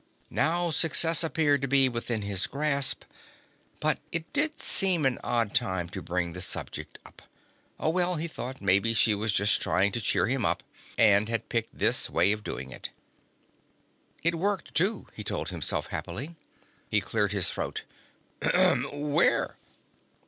Now, success appeared to be within his grasp. But it did seem an odd time to bring the subject up. Oh, well, he thought, maybe she was just trying to cheer him up and had picked this way of doing it. It worked, too, he told himself happily. He cleared his throat. "Where?"